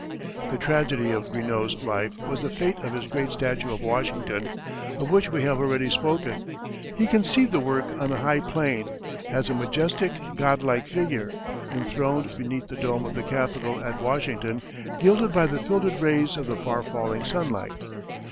The tragedy of Greenough's life was the fate of his great statue of Washington, of which we have already spoken. He conceived the work on a high plane, "as a majestic, god like figure, enthroned beneath the dome of the Capitol at Washington, gilded by the filtered rays of the far falling sunlight."